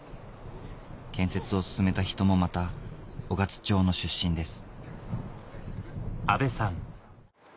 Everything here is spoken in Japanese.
建設を進めた人もまた雄勝町の出身です